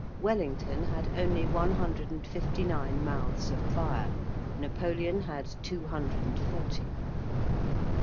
Wellington had only one hundred and fifty nine mouths of fire; Napoleon had two hundred and forty.